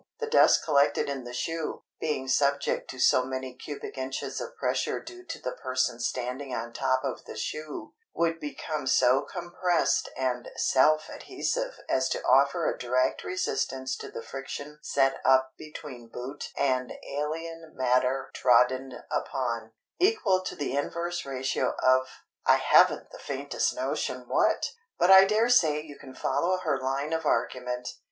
The dust collected in the shoe, being subject to so many cubic inches of pressure due to the person standing on top of the shoe, would become so compressed and self adhesive as to offer a direct resistance to the friction set up between boot and alien matter trodden upon, equal to the inverse ratio of—I haven't the faintest notion what! But I dare say you can follow her line of argument.